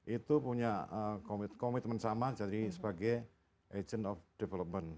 itu punya komitmen sama jadi sebagai agent of development